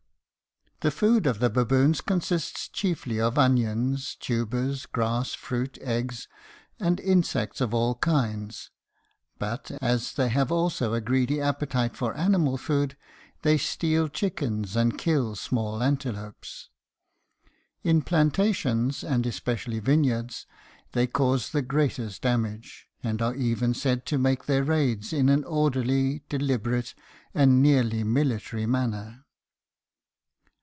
The food of the baboons consists chiefly of onions, tubers, grass, fruit, eggs, and insects of all kinds, but, as they have also a greedy appetite for animal food, they steal chickens and kill small antelopes. In plantations, and especially vineyards, they cause the greatest damage, and are even said to make their raids in an orderly, deliberate, and nearly military manner.